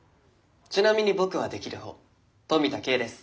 ちなみに僕はできる方富田けいです。